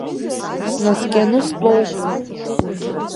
Снаскьаны стәоуп.